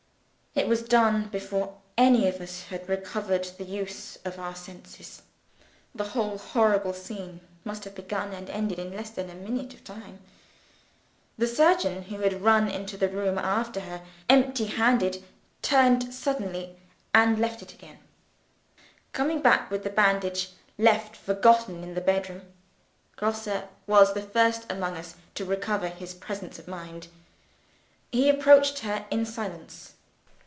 It was done before any of us had recovered the use of our senses. The whole horrible scene must have begun and ended in less than half a minute of time. The surgeon, who had run into the room after her, empty handed, turned suddenly, and left it again; coming back with the bandage, left forgotten in the bed room. Grosse was the first among us to recover his presence of mind. He approached her in silence.